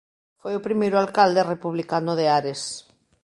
Foi o primeiro alcalde republicano de Ares.